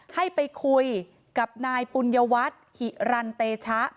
ให้ไปคุยกับนายปุญญวัฒน์หิรันเตชะ